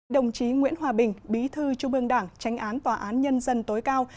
đồng chí nguyễn hòa bình bí thư trung ương đảng tránh án tòa án nhân dân tối cao